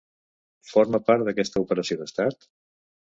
Forma part d’aquesta operació d’estat?